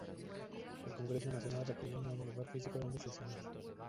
El Congreso Nacional requería un nuevo lugar físico donde sesionar.